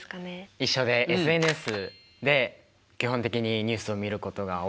一緒でＳＮＳで基本的にニュースを見ることが多いですね。